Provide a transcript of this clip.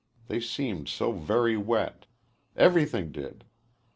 They seemed so very wet everything did.